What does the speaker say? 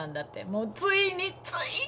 もうついについによ！